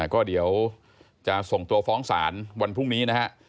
ก็เดี๋ยวจะส่งตัวฟ้องศาลวันพรุ่งนี้นะฮะ